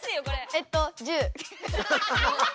えっと１０。